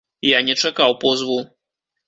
Я не чакаў позву.